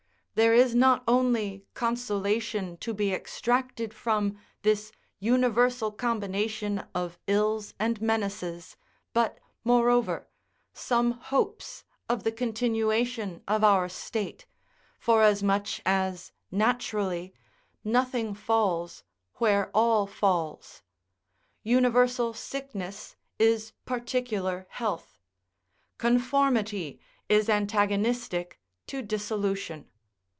There is not only consolation to be extracted from this universal combination of ills and menaces, but, moreover, some hopes of the continuation of our state, forasmuch as, naturally, nothing falls where all falls: universal sickness is particular health: conformity is antagonistic to dissolution.